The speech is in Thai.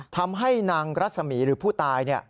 ทำให้นางรัศมีร์หรือผู้ตาย